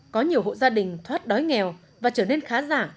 có nhiều hộ gia đình thoát đói nghèo và trở nên khá giả